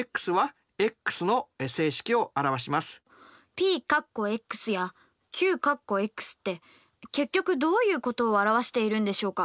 ＰやＱって結局どういうことを表しているんでしょうか？